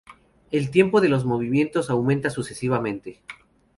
El tempo de los movimientos aumenta sucesivamente.